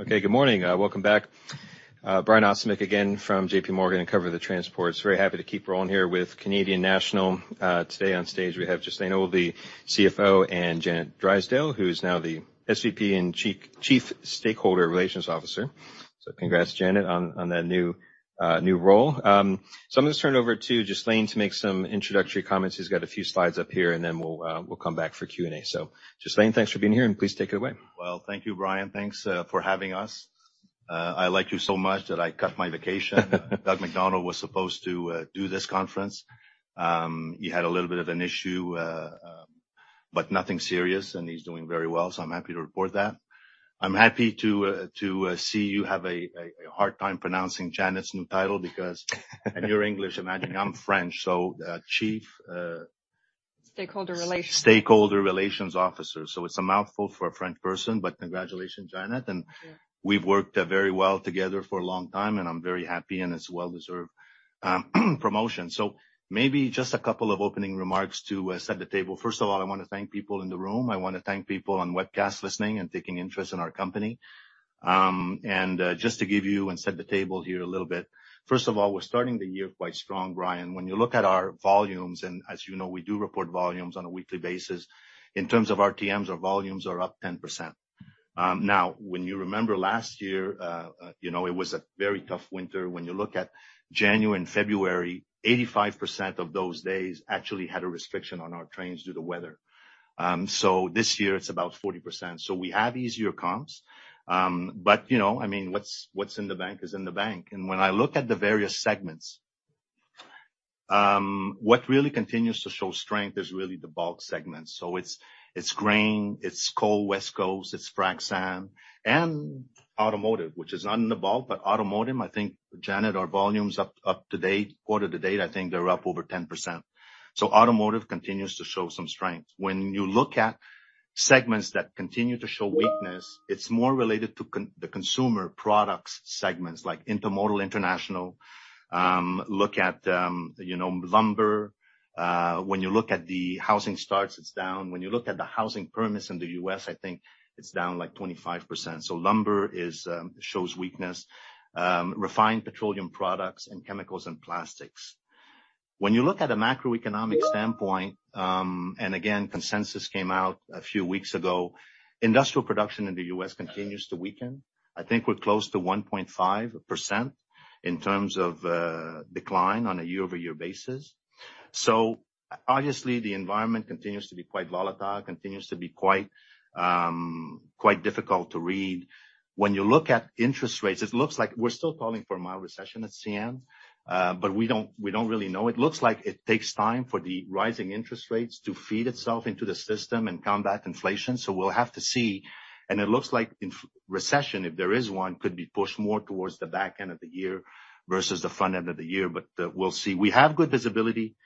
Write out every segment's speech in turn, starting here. Okay. Good morning. Welcome back. Brian Ossenbeck again from JPMorgan, I cover the transports. Very happy to keep rolling here with Canadian National. Today on stage, we have Ghislain Houle, the CFO, and Janet Drysdale, who's now the SVP and Chief Stakeholder Relations Officer. Congrats, Janet, on that new role. I'm gonna turn it over to Ghislain Houle to make some introductory comments. He's got a few slides up here, we'll come back for Q&A. Ghislain Houle, thanks for being here, please take it away. Thank you, Brian. Thanks for having us. I like you so much that I cut my vacation. Doug MacDonald was supposed to do this conference. He had a little bit of an issue, but nothing serious, and he's doing very well, so I'm happy to report that. I'm happy to see you have a hard time pronouncing Janet's new title and you're English, imagine I'm French. Chief... Stakeholder Relations. Stakeholder Relations Officer. It's a mouthful for a French person, but congratulations, Janet. Thank you. We've worked very well together for a long time, and I'm very happy, and it's a well-deserved promotion. Maybe just a couple of opening remarks to set the table. First of all, I wanna thank people in the room. I wanna thank people on webcast listening and taking interest in our company. Just to give you and set the table here a little bit, first of all, we're starting the year quite strong, Brian. When you look at our volumes, and as you know, we do report volumes on a weekly basis, in terms of RTMs, our volumes are up 10%. Now when you remember last year, you know, it was a very tough winter. When you look at January and February, 85% of those days actually had a restriction on our trains due to weather. This year it's about 40%. We have easier comps. You know, I mean, what's in the bank is in the bank. When I look at the various segments, what really continues to show strength is really the bulk segment. It's, it's grain, it's coal, West Coast, it's frac sand and automotive, which is not in the bulk. Automotive, I think, Janet, our volume's quarter to date, I think they're up over 10%. Automotive continues to show some strength. When you look at segments that continue to show weakness, it's more related to the consumer products segments like intermodal, international. Look at, you know, lumber. When you look at the housing starts, it's down. When you look at the housing permits in the U.S., I think it's down, like, 25%. Lumber is shows weakness, refined petroleum products and chemicals and plastics. When you look at a macroeconomic standpoint, again, consensus came out a few weeks ago, industrial production in the U.S. continues to weaken. I think we're close to 1.5% in terms of decline on a year-over-year basis. Obviously, the environment continues to be quite volatile, continues to be quite difficult to read. When you look at interest rates, it looks like we're still calling for a mild recession at CN, we don't really know. It looks like it takes time for the rising interest rates to feed itself into the system and combat inflation. We'll have to see, and it looks like recession, if there is one, could be pushed more towards the back end of the year versus the front end of the year. We'll see. We have good visibility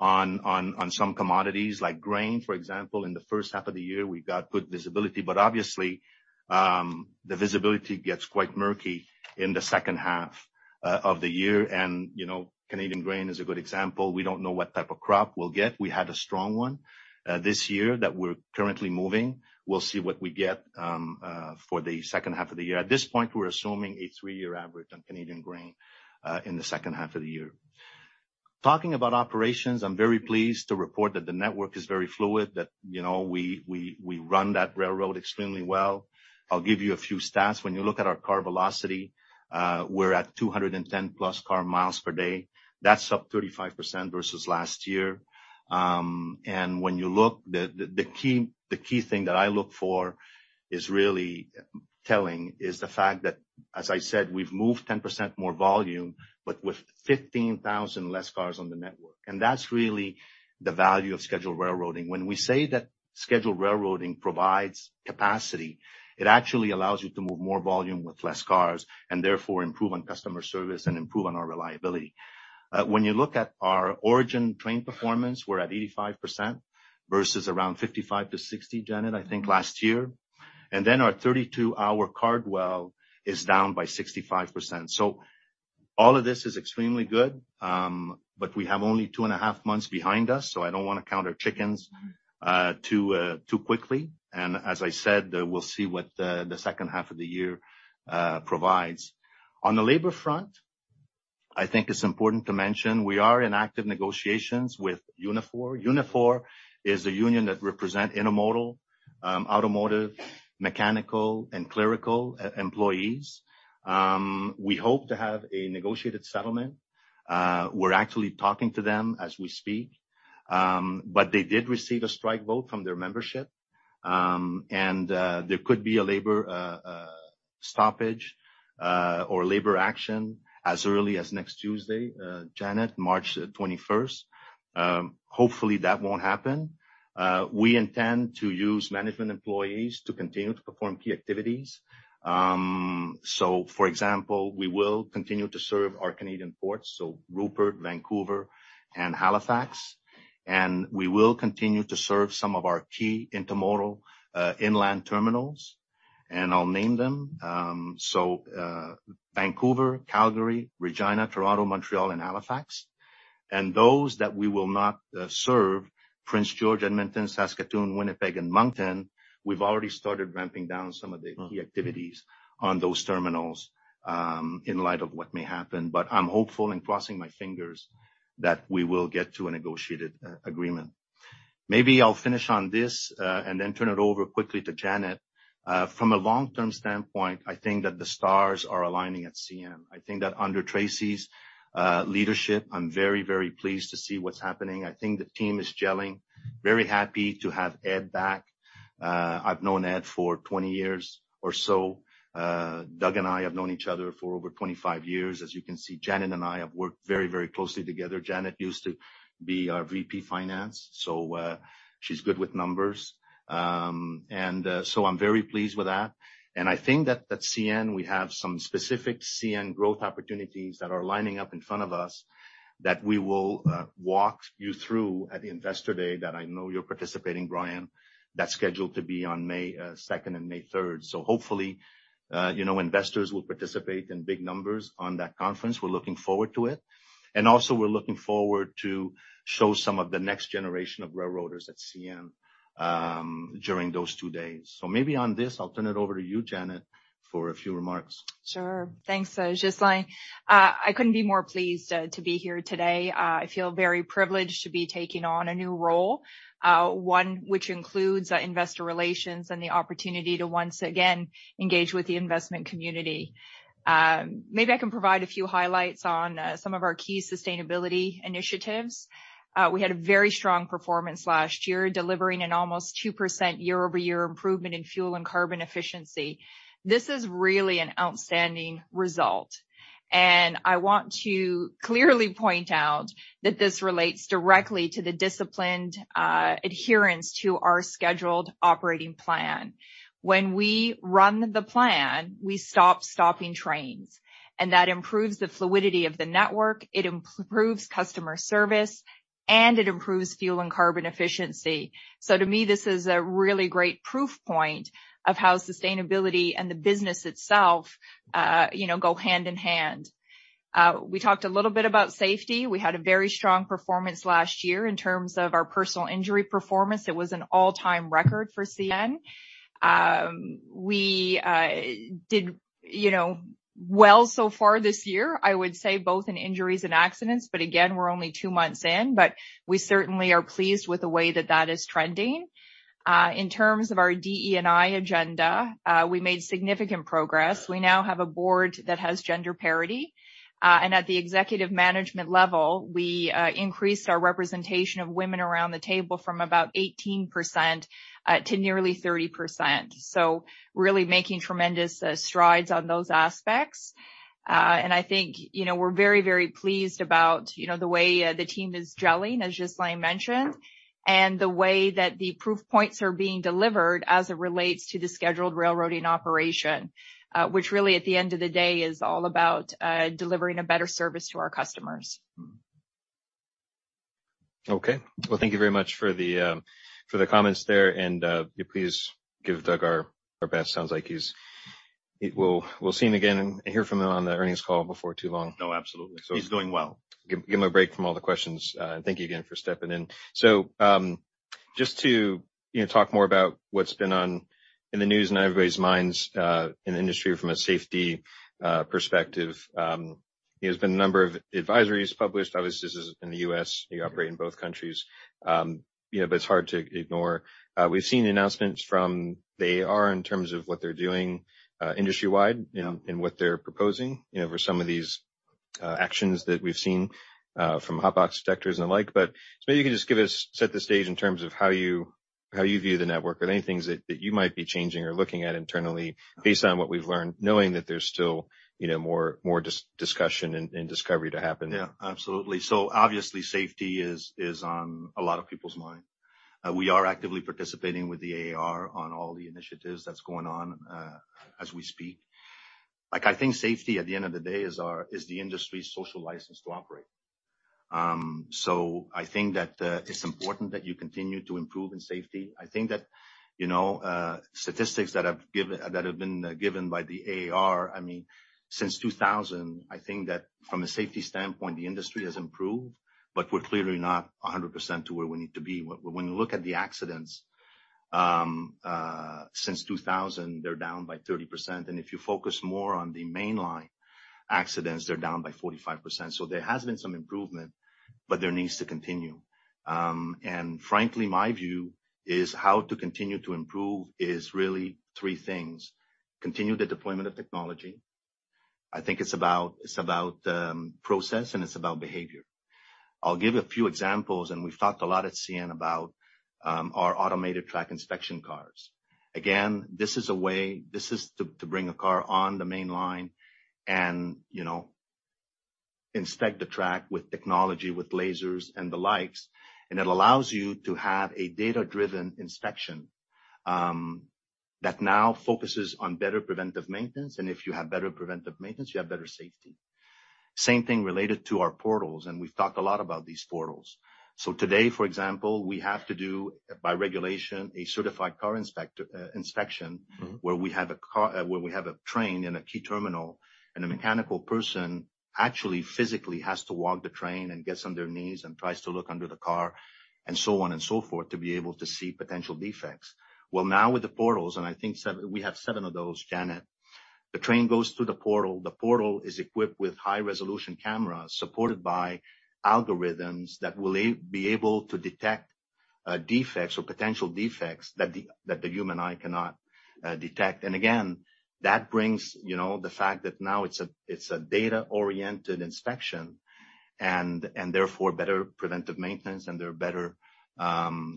on some commodities, like grain, for example. In the first half of the year, we've got good visibility, but obviously, the visibility gets quite murky in the second half of the year. You know, Canadian grain is a good example. We don't know what type of crop we'll get. We had a strong one this year that we're currently moving. We'll see what we get for the second half of the year. At this point, we're assuming a three-year average on Canadian grain in the second half of the year. Talking about operations, I'm very pleased to report that the network is very fluid, that, you know, we run that railroad extremely well. I'll give you a few stats. When you look at our car velocity, we're at 210 plus car miles per day. That's up 35% versus last year. The key thing that I look for is really telling is the fact that, as I said, we've moved 10% more volume, but with 15,000 less cars on the network. That's really the value of scheduled railroading. When we say that scheduled railroading provides capacity, it actually allows you to move more volume with less cars and therefore improve on customer service and improve on our reliability. When you look at our origin train performance, we're at 85% versus around 55-60, Janet, I think last year. Our 32-hour car dwell is down by 65%. All of this is extremely good, but we have only 2 and a half months behind us, so I don't wanna count our chickens. Too quickly. As I said, we'll see what the second half of the year provides. On the labor front, I think it's important to mention we are in active negotiations with Unifor. Unifor is a union that represent intermodal, automotive, mechanical, and clerical employees. We hope to have a negotiated settlement. We're actually talking to them as we speak. They did receive a strike vote from their membership, and there could be a labor stoppage or labor action as early as next Tuesday, Janet, March 21st. Hopefully, that won't happen. We intend to use management employees to continue to perform key activities. For example, we will continue to serve our Canadian ports, Rupert, Vancouver, and Halifax. We will continue to serve some of our key intermodal inland terminals, and I'll name them. Vancouver, Calgary, Regina, Toronto, Montreal, and Halifax. Those that we will not serve, Prince George, Edmonton, Saskatoon, Winnipeg, and Moncton, we've already started ramping down some of the key activities on those terminals in light of what may happen. I'm hopeful and crossing my fingers that we will get to a negotiated agreement. Maybe I'll finish on this and then turn it over quickly to Janet. From a long-term standpoint, I think that the stars are aligning at CN. I think that under Tracy's leadership, I'm very, very pleased to see what's happening. I think the team is gelling. Very happy to have Ed back. I've known Ed for 20 years or so. Doug and I have known each other for over 25 years. As you can see, Janet and I have worked very, very closely together. Janet used to be our VP Finance, so she's good with numbers. I'm very pleased with that. I think that, at CN, we have some specific CN growth opportunities that are lining up in front of us that we will walk you through at Investor Day, that I know you're participating, Brian. That's scheduled to be on May second and May third. Hopefully, you know, investors will participate in big numbers on that conference. We're looking forward to it. Also, we're looking forward to show some of the next generation of railroaders at CN during those two days. Maybe on this, I'll turn it over to you, Janet, for a few remarks. Sure. Thanks, Ghislain. I couldn't be more pleased to be here today. I feel very privileged to be taking on a new role, one which includes investor relations and the opportunity to once again engage with the investment community. Maybe I can provide a few highlights on some of our key sustainability initiatives. We had a very strong performance last year, delivering an almost 2% year-over-year improvement in fuel and carbon efficiency. This is really an outstanding result, and I want to clearly point out that this relates directly to the disciplined adherence to our scheduled operating plan. When we run the plan, we stop stopping trains, and that improves the fluidity of the network, it improves customer service, and it improves fuel and carbon efficiency. To me, this is a really great proof point of how sustainability and the business itself, you know, go hand in hand. We talked a little bit about safety. We had a very strong performance last year in terms of our personal injury performance. It was an all-time record for CN. We, you know, did well so far this year, I would say, both in injuries and accidents, but again, we're only two months in, but we certainly are pleased with the way that that is trending. In terms of our DE&I agenda, we made significant progress. We now have a board that has gender parity. At the executive management level, we increased our representation of women around the table from about 18%, to nearly 30%. Really making tremendous strides on those aspects. I think, you know, we're very, very pleased about, you know, the way the team is gelling, as Ghislain mentioned, and the way that the proof points are being delivered as it relates to the scheduled railroading operation, which really, at the end of the day, is all about delivering a better service to our customers. Thank you very much for the comments there. Yeah, please give Doug our best. Sounds like we'll see him again and hear from him on the earnings call before too long. No, absolutely. So- He's doing well. Give him a break from all the questions. Thank you again for stepping in. Just to, you know, talk more about what's been on in the news and everybody's minds, in the industry from a safety perspective. There's been a number of advisories published. Obviously, this is in the U.S. You operate in both countries. You know, but it's hard to ignore. We've seen announcements from the AAR in terms of what they're doing, industry-wide, you know, and what they're proposing, you know, for some of these actions that we've seen from hotbox detectors and the like. Maybe you can just give us set the stage in terms of how you view the network or any things that you might be changing or looking at internally based on what we've learned, knowing that there's still, you know, more discussion and discovery to happen. Yeah, absolutely. Obviously, safety is on a lot of people's mind. We are actively participating with the AAR on all the initiatives that's going on as we speak. I think safety, at the end of the day, is the industry's social license to operate. I think that it's important that you continue to improve in safety. I think that, you know, statistics that have been given by the AAR, I mean, since 2000, I think that from a safety standpoint, the industry has improved, but we're clearly not 100% to where we need to be. When you look at the accidents, since 2000, they're down by 30%. If you focus more on the mainline accidents, they're down by 45%. There has been some improvement, but there needs to continue. Frankly, my view is how to continue to improve is really three things: continue the deployment of technology, I think it's about process, and it's about behavior. I'll give a few examples. We've talked a lot at CN about our automated track inspection cars. This is to bring a car on the main line and, you know, inspect the track with technology, with lasers and the likes. It allows you to have a data-driven inspection that now focuses on better preventive maintenance, and if you have better preventive maintenance, you have better safety. Same thing related to our portals. We've talked a lot about these portals. Today, for example, we have to do, by regulation, a certified car inspection. where we have a train in a key terminal, and a mechanical person actually physically has to walk the train and gets on their knees and tries to look under the car and so on and so forth to be able to see potential defects. Well, now with the portals, and I think 7 we have 7 of those, Janet. The train goes through the portal. The portal is equipped with high-resolution cameras supported by algorithms that will be able to detect defects or potential defects that the human eye cannot detect. Again, that brings, you know, the fact that now it's a data-oriented inspection and therefore better preventive maintenance and there are better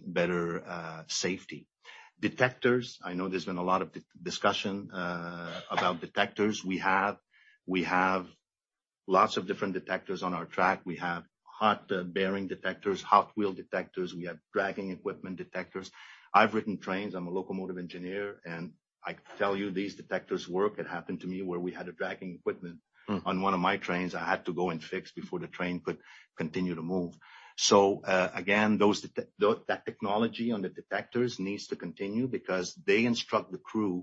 better safety. Detectors, I know there's been a lot of discussion about detectors. We have lots of different detectors on our track. We have hot bearing detectors, hot wheel detectors. We have dragging equipment detectors. I've ridden trains. I'm a locomotive engineer, and I can tell you these detectors work. It happened to me where we had a dragging equipment. on one of my trains. I had to go and fix before the train could continue to move. Again, that technology on the detectors needs to continue because they instruct the crew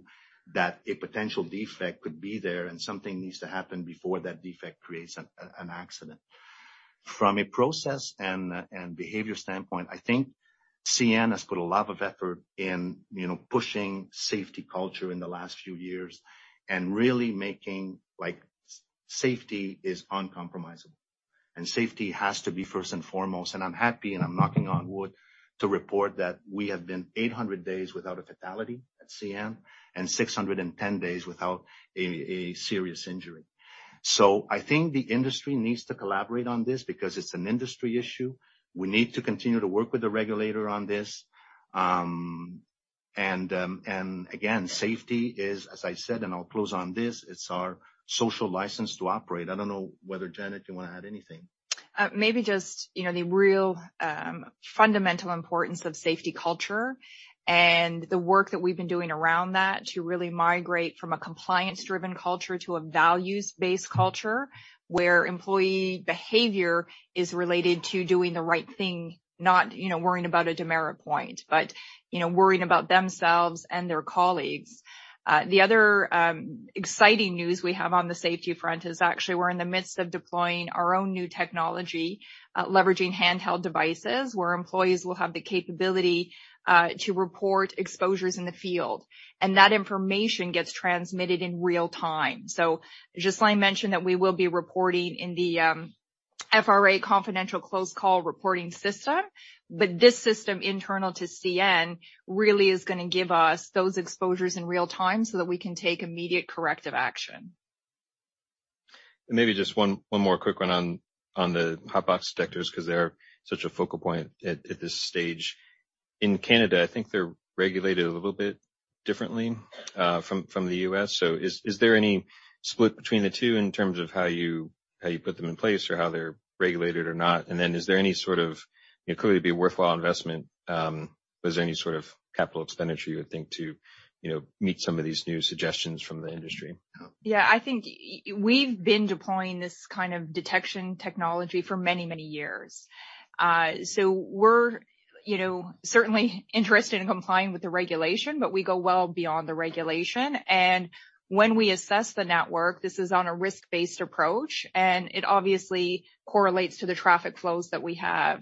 that a potential defect could be there, and something needs to happen before that defect creates an accident. From a process and behavior standpoint, I think CN has put a lot of effort in, you know, pushing safety culture in the last few years and really making, like, safety is uncompromisable. Safety has to be first and foremost. I'm happy, and I'm knocking on wood to report that we have been 800 days without a fatality at CN and 610 days without a serious injury. I think the industry needs to collaborate on this because it's an industry issue. We need to continue to work with the regulator on this. Again, safety is, as I said, and I'll close on this, it's our social license to operate. I don't know whether, Janet, you wanna add anything. Maybe just, you know, the real fundamental importance of safety culture and the work that we've been doing around that to really migrate from a compliance-driven culture to a values-based culture, where employee behavior is related to doing the right thing, not, you know, worrying about a demerit point. You know, worrying about themselves and their colleagues. The other exciting news we have on the safety front is actually we're in the midst of deploying our own new technology, leveraging handheld devices, where employees will have the capability to report exposures in the field. That information gets transmitted in real time. Just like I mentioned that we will be reporting in the Confidential Close Call Reporting System, but this system internal to CN really is gonna give us those exposures in real time so that we can take immediate corrective action. Maybe just one more quick one on the hot box detectors because they're such a focal point at this stage. In Canada, I think they're regulated a little bit differently from the US. Is there any split between the two in terms of how you put them in place or how they're regulated or not? Is there any sort of, you know, could it be a worthwhile investment, was there any sort of capital expenditure you would think to, you know, meet some of these new suggestions from the industry? I think we've been deploying this kind of detection technology for many, many years. We're, you know, certainly interested in complying with the regulation, but we go well beyond the regulation. When we assess the network, this is on a risk-based approach, and it obviously correlates to the traffic flows that we have.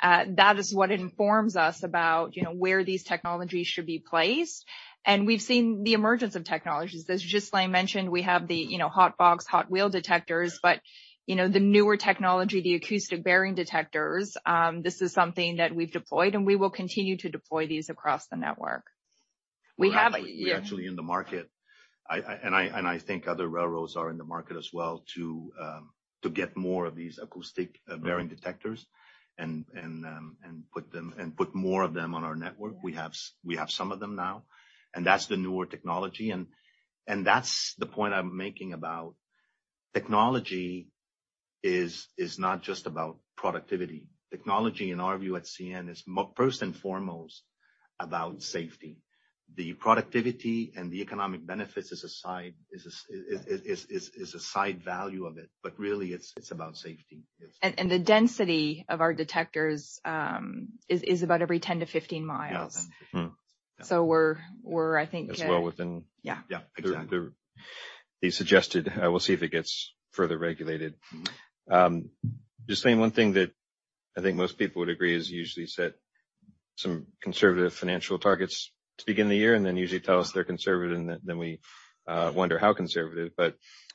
That is what informs us about, you know, where these technologies should be placed. We've seen the emergence of technologies. As Ghislain mentioned, we have the, you know, hotbox, hot wheel detectors. You know, the newer technology, the Acoustic Bearing Detectors, this is something that we've deployed, and we will continue to deploy these across the network. We have- We're actually in the market, I think other railroads are in the market as well to get more of these Acoustic Bearing Detectors and put more of them on our network. We have some of them now, and that's the newer technology. That's the point I'm making about technology is not just about productivity. Technology, in our view at CN, is first and foremost about safety. The productivity and the economic benefits is a side value of it, really it's about safety. The density of our detectors is about every 10-15 miles. Yeah, 10-15. We're I think, That's well within- Yeah. Yeah. Exactly. The suggested. We'll see if it gets further regulated. Gjislain 1 thing that I think most people would agree is you usually set some conservative financial targets to begin the year and then usually tell us they're conservative, and then we wonder how conservative. I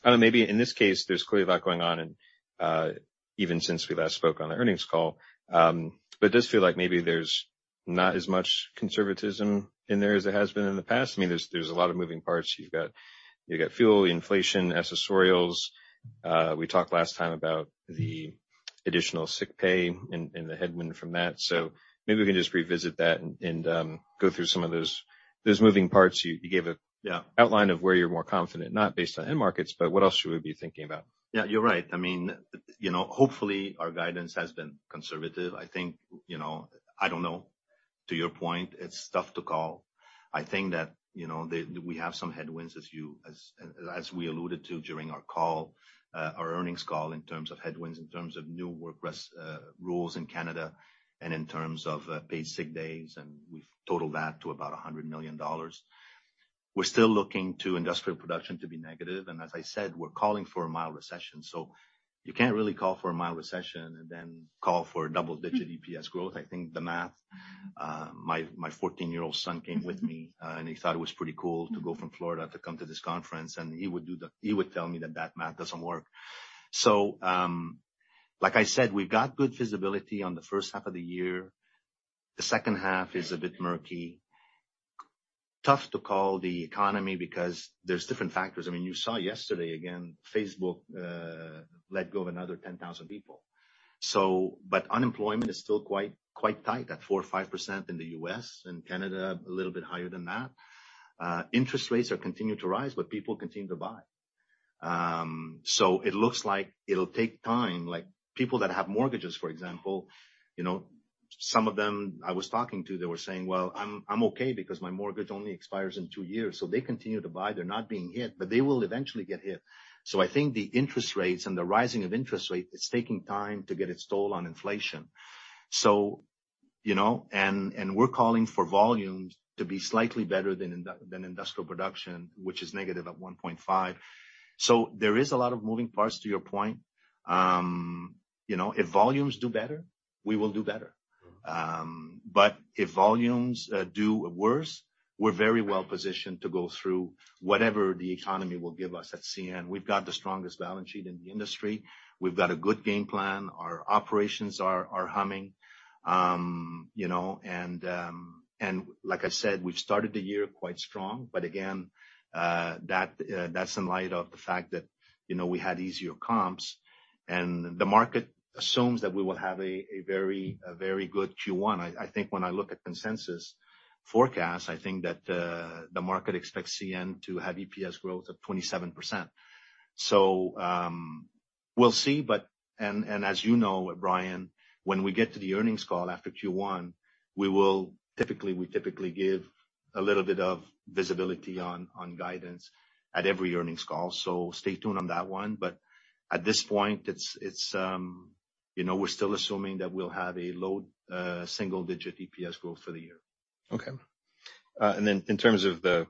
don't know, maybe in this case, there's clearly a lot going on and even since we last spoke on the earnings call. It does feel like maybe there's not as much conservatism in there as there has been in the past. I mean, there's a lot of moving parts. You've got fuel, inflation, accessorials. We talked last time about the additional sick pay and the headwind from that. Maybe we can just revisit that and go through some of those moving parts. You gave. Yeah. Outline of where you're more confident, not based on end markets, but what else should we be thinking about? Yeah, you're right. I mean, you know, hopefully our guidance has been conservative. I think, you know, I don't know, to your point, it's tough to call. I think that, you know, we have some headwinds as we alluded to during our call, our earnings call in terms of headwinds, in terms of new Work/Rest Rules in Canada and in terms of paid sick days, and we've totaled that to about 100 million dollars. We're still looking to industrial production to be negative. As I said, we're calling for a mild recession. You can't really call for a mild recession and then call for double-digit EPS growth. I think the math, my 14-year-old son came with me, and he thought it was pretty cool to go from Florida to come to this conference, he would tell me that that math doesn't work. Like I said, we've got good visibility on the first half of the year. The second half is a bit murky. Tough to call the economy because there's different factors. I mean, you saw yesterday, again, Meta, let go of another 10,000 people. Unemployment is still quite tight at 4% or 5% in the US, and Canada, a little bit higher than that. Interest rates are continuing to rise, but people continue to buy. It looks like it'll take time. Like, people that have mortgages, for example, you know, some of them I was talking to, they were saying, "Well, I'm okay because my mortgage only expires in 2 years." They continue to buy. They're not being hit, but they will eventually get hit. I think the interest rates and the rising of interest rate, it's taking time to get its toll on inflation. You know, we're calling for volumes to be slightly better than industrial production, which is negative at 1.5%. There is a lot of moving parts to your point. You know, if volumes do better, we will do better. If volumes do worse, we're very well-positioned to go through whatever the economy will give us at CN. We've got the strongest balance sheet in the industry. We've got a good game plan. Our operations are humming, you know. Like I said, we've started the year quite strong. Again, that's in light of the fact that, you know, we had easier comps, and the market assumes that we will have a very good Q1. I think when I look at consensus forecast, I think that the market expects CN to have EPS growth of 27%. We'll see, but as you know, Brian, when we get to the earnings call after Q1, we typically give a little bit of visibility on guidance at every earnings call. Stay tuned on that one. At this point, it's, you know, we're still assuming that we'll have a low, single-digit EPS growth for the year. Okay. In terms of the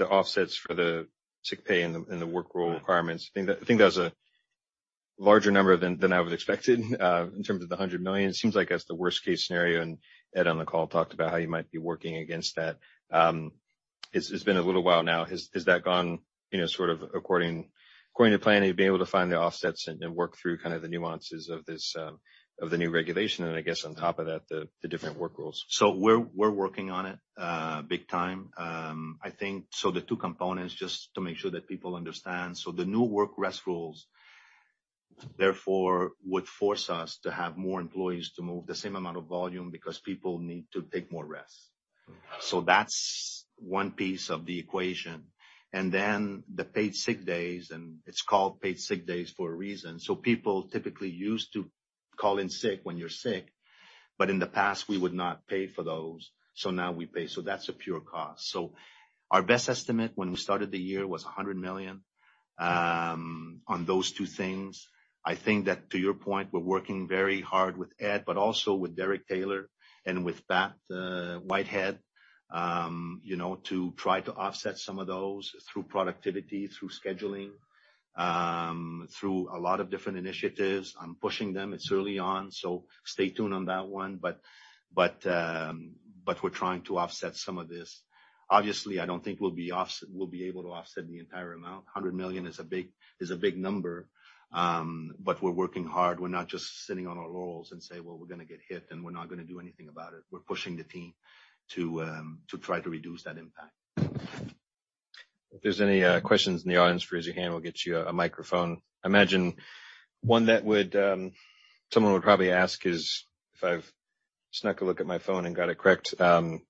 offsets for the paid sick days and the Work/Rest Rules, I think that was a larger number than I would expected, in terms of the $100 million. It seems like that's the worst-case scenario, Ed on the call talked about how you might be working against that. It's been a little while now. Has that gone, you know, sort of according to plan? Have you been able to find the offsets and work through kind of the nuances of this, of the new regulation, I guess on top of that, the different work rules? We're working on it big time. I think the two components, just to make sure that people understand. The new Work/Rest Rules, therefore, would force us to have more employees to move the same amount of volume because people need to take more rest. That's one piece of the equation. The paid sick days, and it's called paid sick days for a reason. People typically used to call in sick when you're sick, but in the past, we would not pay for those. Now we pay, that's a pure cost. Our best estimate when we started the year was 100 million on those two things. I think that to your point, we're working very hard with Ed, but also with Derek Taylor and with Pat Whitehead, you know, to try to offset some of those through productivity, through scheduling, through a lot of different initiatives. I'm pushing them. It's early on, so stay tuned on that one. We're trying to offset some of this. Obviously, I don't think we'll be able to offset the entire amount. $100 million is a big number, but we're working hard. We're not just sitting on our laurels and say, "Well, we're gonna get hit, and we're not gonna do anything about it." We're pushing the team to try to reduce that impact. If there's any questions in the audience, raise your hand. We'll get you a microphone. I imagine one that would someone would probably ask is, if I've snuck a look at my phone and got it correct, the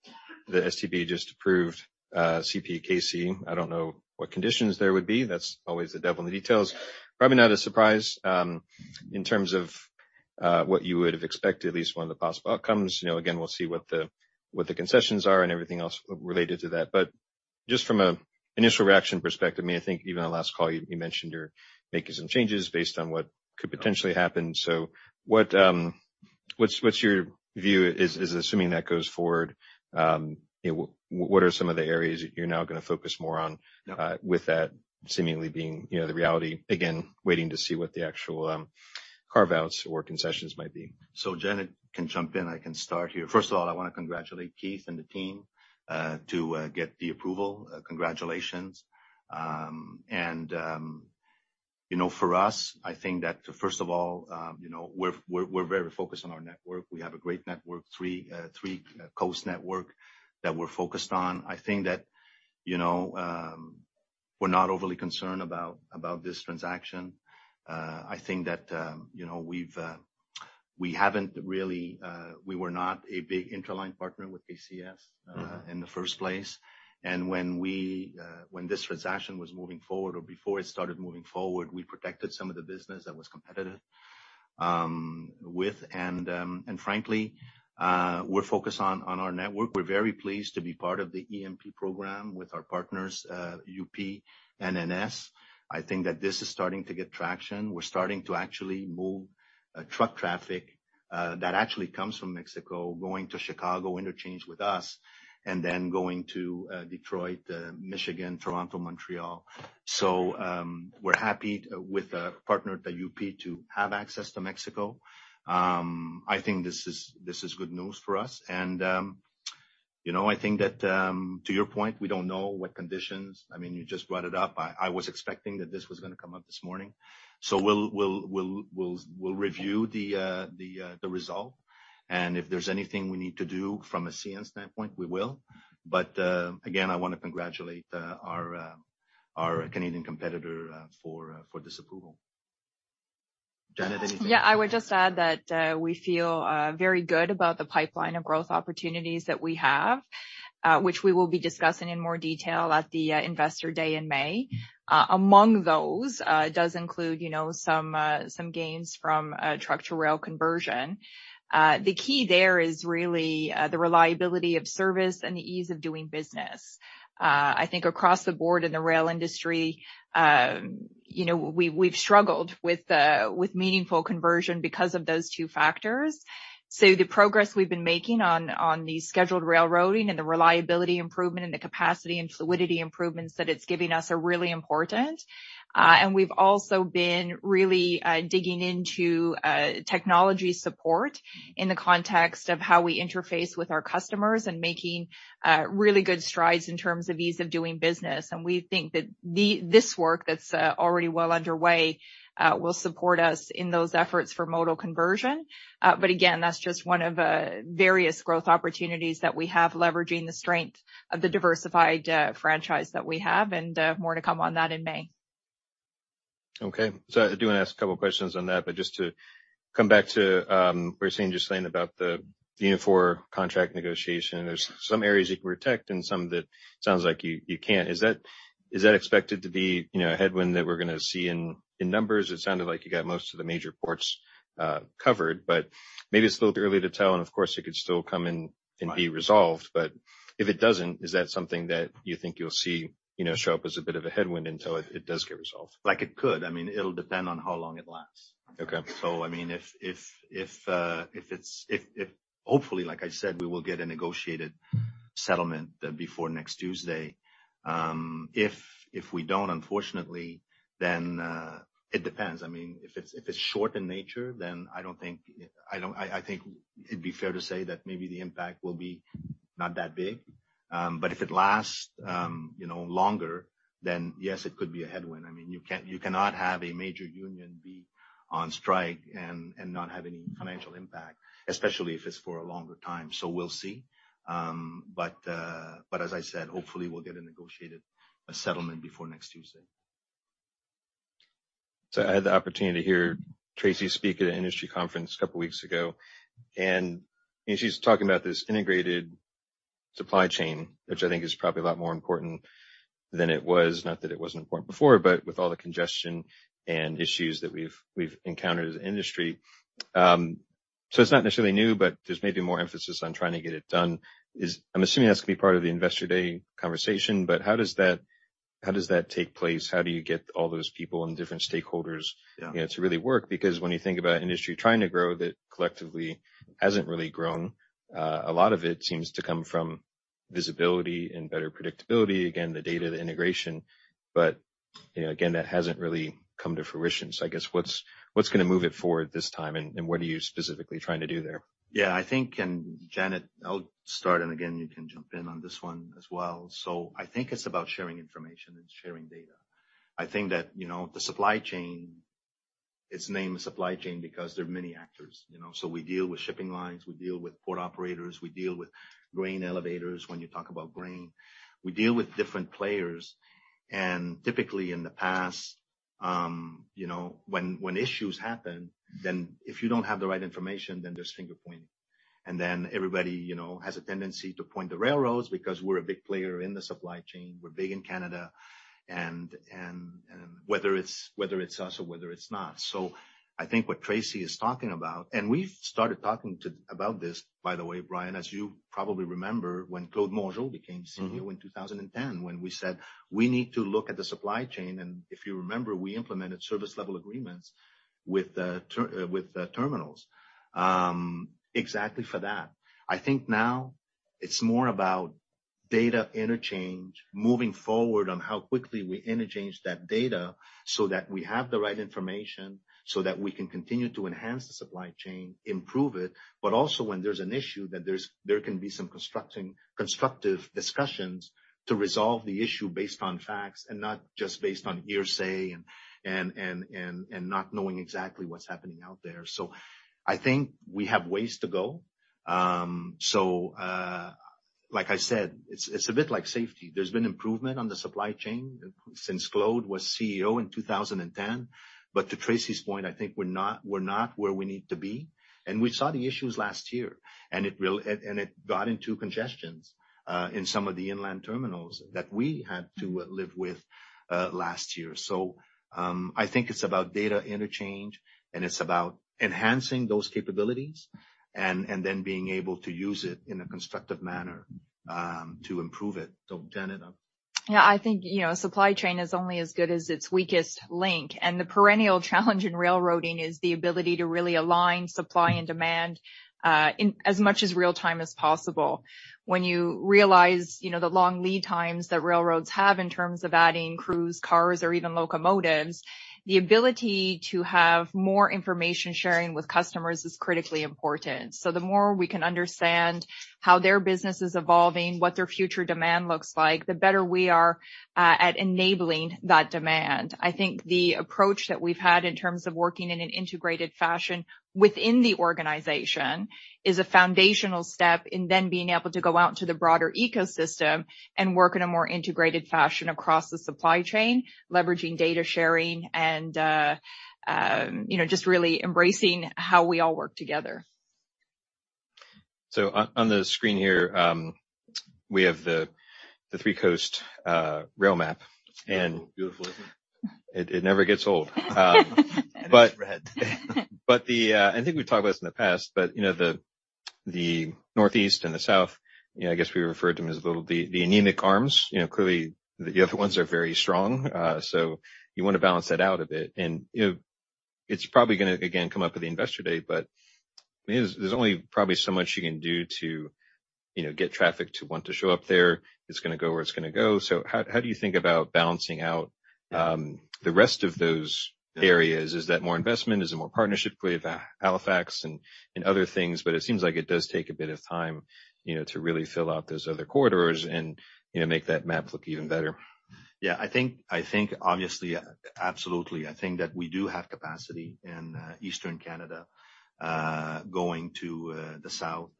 STB just approved CPKC. I don't know what conditions there would be. That's always the devil in the details. Probably not a surprise, in terms of what you would have expected, at least one of the possible outcomes. You know, again, we'll see what the concessions are and everything else related to that. Just from a initial reaction perspective, I mean, I think even on last call you mentioned you're making some changes based on what could potentially happen. What's your view is assuming that goes forward, you know, what are some of the areas that you're now gonna focus more on? Yeah. With that seemingly being, you know, the reality, again, waiting to see what the actual carve-outs or concessions might be. Jen can jump in. I can start here. First of all, I wanna congratulate Keith and the team to get the approval. Congratulations. You know, for us, I think that first of all, you know, we're very focused on our network. We have a great network, 3 coast network that we're focused on. I think that, you know, we're not overly concerned about this transaction. I think that, you know, we haven't really we were not a big interline partner with KCS- In the first place. When we, when this transaction was moving forward or before it started moving forward, we protected some of the business that was competitive with. Frankly, we're focused on our network. We're very pleased to be part of the EMP program with our partners, UP and NS. I think that this is starting to get traction. We're starting to actually move truck traffic that actually comes from Mexico, going to Chicago, interchange with us, and then going to Detroit, Michigan, Toronto, Montreal. We're happy with a partner at UP to have access to Mexico. I think that this is good news for us. You know, I think that, to your point, we don't know what conditions. I mean, you just brought it up. I was expecting that this was gonna come up this morning. We'll review the result. If there's anything we need to do from a CN standpoint, we will. Again, I wanna congratulate our Canadian competitor for this approval. Janet, anything- I would just add that we feel very good about the pipeline of growth opportunities that we have, which we will be discussing in more detail at the Investor Day in May. Among those, it does include, you know, some gains from truck to rail conversion. The key there is really the reliability of service and the ease of doing business. I think across the board in the rail industry, you know, we've struggled with meaningful conversion because of those two factors. The progress we've been making on the scheduled railroading and the reliability improvement and the capacity and fluidity improvements that it's giving us are really important. We've also been really digging into technology support in the context of how we interface with our customers and making really good strides in terms of ease of doing business. We think that this work that's already well underway will support us in those efforts for modal conversion. Again, that's just one of various growth opportunities that we have, leveraging the strength of the diversified franchise that we have, and more to come on that in May. Okay. I do wanna ask a couple questions on that, but just to come back to, where you were saying just saying about the Unifor contract negotiation. There's some areas you can protect and some that sounds like you can't. Is that expected to be, you know, a headwind that we're gonna see in numbers? It sounded like you got most of the major ports covered, but maybe it's a little bit early to tell, and of course, it could still come and be resolved. If it doesn't, is that something that you think you'll see, you know, show up as a bit of a headwind until it does get resolved? Like it could. I mean, it'll depend on how long it lasts. Okay. I mean, if, if hopefully, like I said, we will get a negotiated settlement before next Tuesday. If, if we don't, unfortunately, then it depends. I mean, if it's, if it's short in nature, then I think it'd be fair to say that maybe the impact will be not that big. If it lasts, you know, longer, then yes, it could be a headwind. I mean, you cannot have a major union be on strike and not have any financial impact, especially if it's for a longer time. We'll see. As I said, hopefully we'll get a negotiated settlement before next Tuesday. I had the opportunity to hear Tracy speak at an industry conference a couple weeks ago, and she's talking about this integrated supply chain, which I think is probably a lot more important than it was. Not that it wasn't important before, but with all the congestion and issues that we've encountered as an industry. It's not necessarily new, but there's maybe more emphasis on trying to get it done. I'm assuming that's gonna be part of the Investor Day conversation. How does that, how does that take place? How do you get all those people and different stakeholders? Yeah. You know, to really work? When you think about industry trying to grow, that collectively hasn't really grown, a lot of it seems to come from visibility and better predictability. Again, the data, the integration. You know, again, that hasn't really come to fruition. I guess, what's gonna move it forward this time, and what are you specifically trying to do there? I think, Janet, I'll start, and again, you can jump in on this one as well. I think it's about sharing information and sharing data. I think that, you know, the supply chain, it's named the supply chain because there are many actors, you know. We deal with shipping lines, we deal with port operators, we deal with grain elevators when you talk about grain. We deal with different players. Typically in the past, you know, when issues happen, then if you don't have the right information, then there's finger-pointing. Everybody, you know, has a tendency to point the railroads because we're a big player in the supply chain. We're big in Canada and whether it's us or whether it's not. I think what Tracy is talking about, and we've started talking about this, by the way, Brian, as you probably remember, when Claude Mongeau became CEO. in 2010, when we said, "We need to look at the supply chain." If you remember, we implemented service level agreements with the terminals, exactly for that. I think now it's more about data interchange, moving forward on how quickly we interchange that data so that we have the right information, so that we can continue to enhance the supply chain, improve it, but also when there's an issue, that there can be some constructive discussions to resolve the issue based on facts and not just based on hearsay and not knowing exactly what's happening out there. I think we have ways to go. Like I said, it's a bit like safety. There's been improvement on the supply chain since Claude was CEO in 2010. To Tracy's point, I think we're not where we need to be. We saw the issues last year, and it got into congestions in some of the inland terminals that we had to live with last year. I think it's about data interchange, and it's about enhancing those capabilities. And then being able to use it in a constructive manner to improve it. Janet. Yeah, I think, you know, supply chain is only as good as its weakest link, and the perennial challenge in railroading is the ability to really align supply and demand, in as much as real-time as possible. When you realize, you know, the long lead times that railroads have in terms of adding crews, cars or even locomotives, the ability to have more information sharing with customers is critically important. The more we can understand how their business is evolving, what their future demand looks like, the better we are at enabling that demand. I think the approach that we've had in terms of working in an integrated fashion within the organization is a foundational step in then being able to go out into the broader ecosystem and work in a more integrated fashion across the supply chain, leveraging data sharing and, you know, just really embracing how we all work together. On the screen here, we have the three coast rail map. Beautiful, isn't it? It never gets old. Red. The, I think we've talked about this in the past, but, you know, the Northeast and the South, you know, I guess we refer to them as the anemic arms. You know, clearly the other ones are very strong. So you wanna balance that out a bit. You know, it's probably gonna again come up at the Investor Day, but, I mean, there's only probably so much you can do to, you know, get traffic to want to show up there. It's gonna go where it's gonna go. How do you think about balancing out the rest of those areas? Is that more investment? Is it more partnership with Halifax and other things? It seems like it does take a bit of time, you know, to really fill out those other corridors and, you know, make that map look even better. I think obviously, absolutely. I think that we do have capacity in Eastern Canada, going to the South.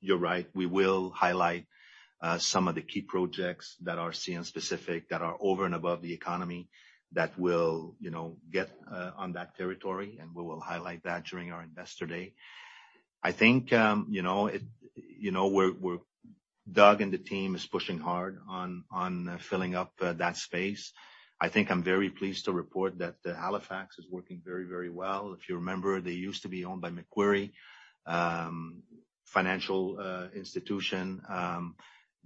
You're right, we will highlight some of the key projects that are CN specific, that are over and above the economy, that will, you know, get on that territory, and we will highlight that during our Investor Day. I think, you know, Doug and the team is pushing hard on filling up that space. I think I'm very pleased to report that Halifax is working very, very well. If you remember, they used to be owned by Macquarie, financial institution.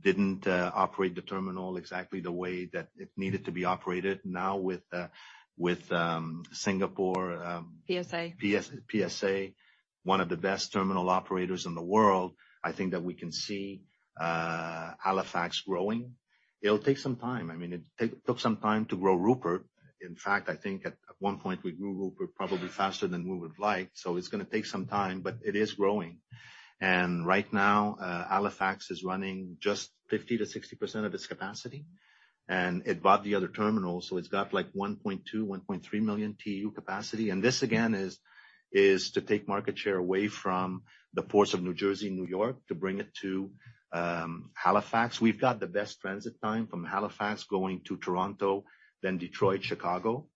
Didn't operate the terminal exactly the way that it needed to be operated. Now with Singapore. PSA. PSA, one of the best terminal operators in the world, I think that we can see Halifax growing. It'll take some time. I mean, it took some time to grow Rupert. In fact, I think at one point we grew Rupert probably faster than we would like. It's gonna take some time, but it is growing. Right now, Halifax is running just 50%-60% of its capacity. It bought the other terminal, it's got like 1.2 million-1.3 million TEU capacity. This again is to take market share away from the ports of New Jersey and New York to bring it to Halifax. We've got the best transit time from Halifax going to Toronto, then Detroit, Chicago,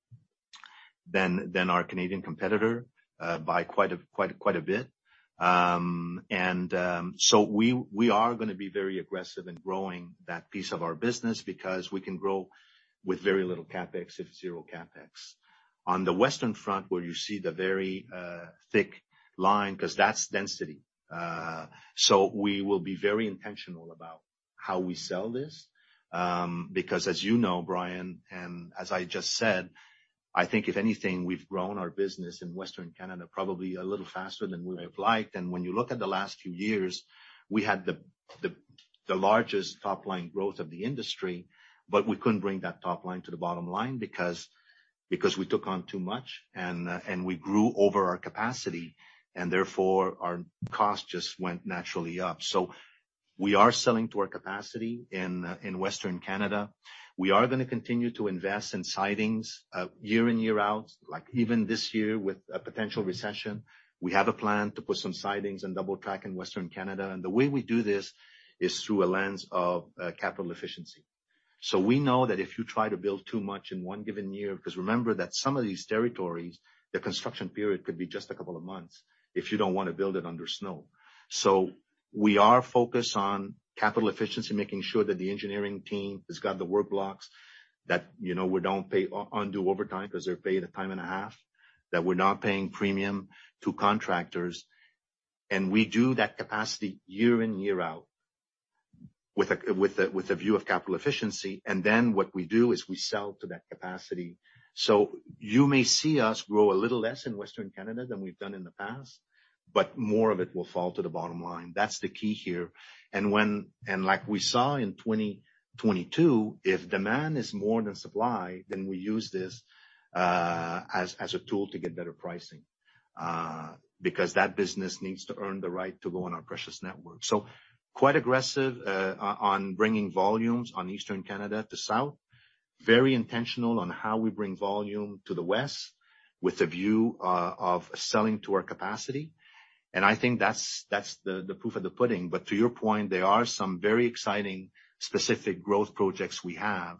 than our Canadian competitor, by quite a bit. we are gonna be very aggressive in growing that piece of our business because we can grow with very little CapEx, if zero CapEx. On the Western front, where you see the very thick line, 'cause that's density. we will be very intentional about how we sell this, because as you know, Brian, and as I just said, I think if anything, we've grown our business in Western Canada probably a little faster than we would have liked. When you look at the last few years, we had the largest top line growth of the industry, but we couldn't bring that top line to the bottom line because we took on too much and we grew over our capacity, and therefore our cost just went naturally up. We are selling to our capacity in Western Canada. We are gonna continue to invest in sidings, year in, year out, like even this year with a potential recession. We have a plan to put some sidings and double track in Western Canada. The way we do this is through a lens of capital efficiency. We know that if you try to build too much in one given year, because remember that some of these territories, the construction period could be just a couple of months if you don't wanna build it under snow. We are focused on capital efficiency, making sure that the engineering team has got the work blocks that, you know, we don't pay undue overtime because they're paid a time and a half, that we're not paying premium to contractors. We do that capacity year in, year out with a view of capital efficiency. What we do is we sell to that capacity. You may see us grow a little less in Western Canada than we've done in the past, but more of it will fall to the bottom line. That's the key here. Like we saw in 2022, if demand is more than supply, then we use this as a tool to get better pricing because that business needs to earn the right to go on our precious network. Quite aggressive on bringing volumes on Eastern Canada to South. Very intentional on how we bring volume to the West with a view of selling to our capacity. I think that's the proof of the pudding. To your point, there are some very exciting specific growth projects we have,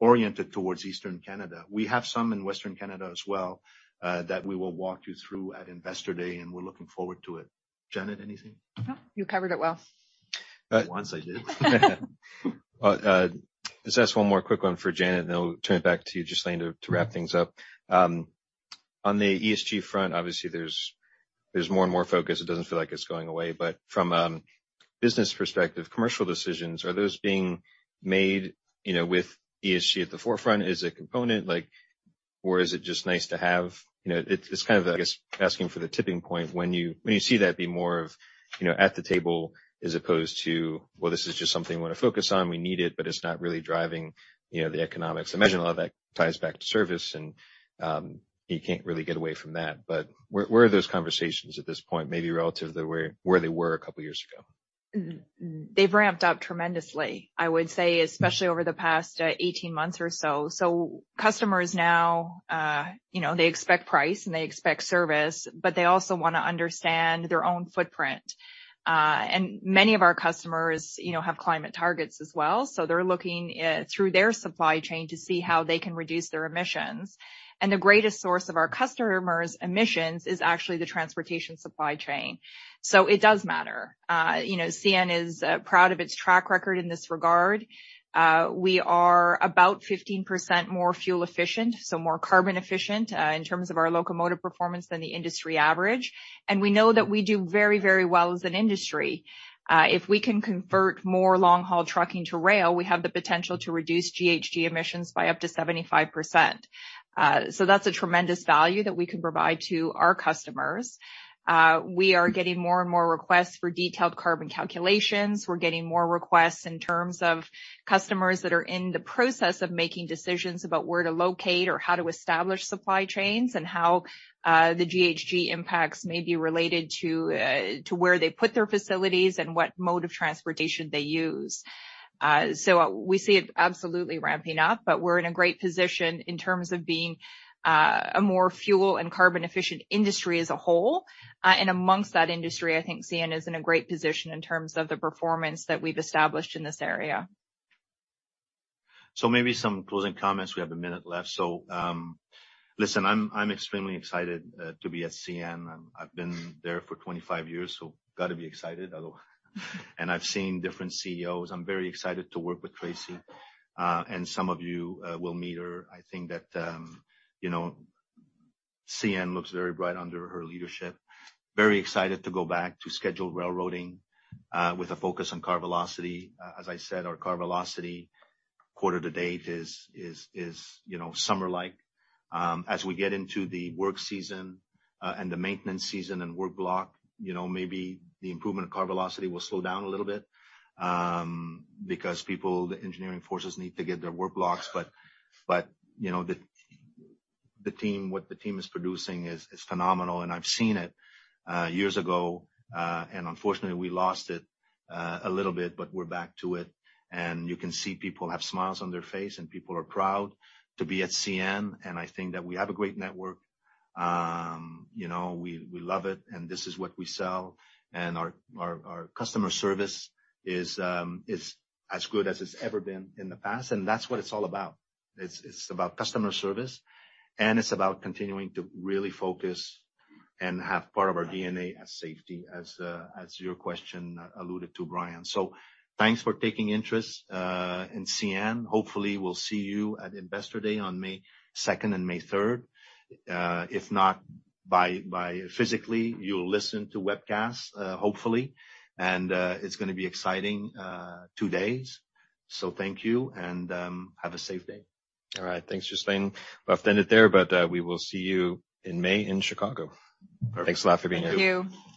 oriented towards Eastern Canada. We have some in Western Canada as well, that we will walk you through at Investor Day, and we're looking forward to it. Janet, anything? No, you covered it well. Once I did. Just ask one more quick one for Janet, and then I'll turn it back to you, Ghislain, to wrap things up. On the ESG front, obviously there's more and more focus. It doesn't feel like it's going away. From a business perspective, commercial decisions, are those being made, you know, with ESG at the forefront as a component? Like, or is it just nice to have? You know, it's kind of, I guess, asking for the tipping point when you see that be more of, you know, at the table as opposed to, well, this is just something we wanna focus on, we need it, but it's not really driving, you know, the economics. I imagine a lot of that ties back to service and, you can't really get away from that. Where, where are those conversations at this point, maybe relative to where they were a couple years ago? They've ramped up tremendously, I would say, especially over the past 18 months or so. Customers now, you know, they expect price, and they expect service, but they also wanna understand their own footprint. Many of our customers, you know, have climate targets as well, so they're looking through their supply chain to see how they can reduce their emissions. The greatest source of our customers' emissions is actually the transportation supply chain. It does matter. You know, CN is proud of its track record in this regard. We are about 15% more fuel efficient, so more carbon efficient, in terms of our locomotive performance than the industry average. We know that we do very, very well as an industry. If we can convert more long-haul trucking to rail, we have the potential to reduce GHG emissions by up to 75%. That's a tremendous value that we can provide to our customers. We are getting more and more requests for detailed carbon calculations. We're getting more requests in terms of customers that are in the process of making decisions about where to locate or how to establish supply chains and how the GHG impacts may be related to where they put their facilities and what mode of transportation they use. We see it absolutely ramping up, but we're in a great position in terms of being a more fuel and carbon efficient industry as a whole. Amongst that industry, I think CN is in a great position in terms of the performance that we've established in this area. Maybe some closing comments. We have a minute left. Listen, I'm extremely excited to be at CN. I've been there for 25 years, so gotta be excited. Although I've seen different CEOs. I'm very excited to work with Tracy. Some of you will meet her. I think that, you know, CN looks very bright under her leadership. Very excited to go back to scheduled railroading with a focus on car velocity. As I said, our car velocity quarter to date is, you know, summer-like. As we get into the work season, and the maintenance season and work block, you know, maybe the improvement of car velocity will slow down a little bit, because people, the engineering forces need to get their work blocks. You know, what the team is producing is phenomenal, and I've seen it years ago. Unfortunately, we lost it a little bit, but we're back to it. You can see people have smiles on their face, and people are proud to be at CN, and I think that we have a great network. You know, we love it, and this is what we sell. Our customer service is as good as it's ever been in the past, and that's what it's all about. It's about customer service, and it's about continuing to really focus and have part of our DNA as safety, as your question alluded to, Brian. Thanks for taking interest in CN. Hopefully, we'll see you at Investor Day on May second and May third. If not by physically, you'll listen to webcast, hopefully. It's gonna be exciting, two days. Thank you, and, have a safe day. All right. Thanks, Ghislain. We'll have to end it there, we will see you in May in Chicago. Perfect. Thanks a lot for being here. Thank you.